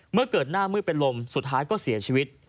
เมื่อเกิดหน้ามืดเป็นลมสุดท้ายก็เสียชีวิต